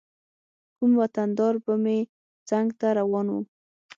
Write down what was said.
کوم وطن دار به مې څنګ ته روان و.